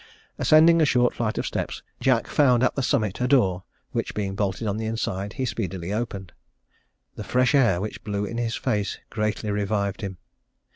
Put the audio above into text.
"Ascending a short flight of steps, Jack found at the summit a door, which, being bolted on the inside, he speedily opened. The fresh air, which blew in his face, greatly revived him.